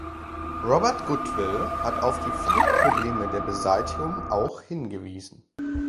Robert Goodwill hat auf die vielen Probleme der Beseitigung auch hingewiesen.